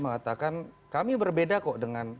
mengatakan kami berbeda kok dengan